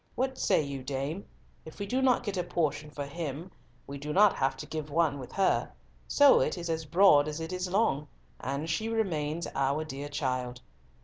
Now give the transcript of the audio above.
What say you, dame? If we do not get a portion for him, we do not have to give one with her, so it is as broad as it is long, and she remains our dear child.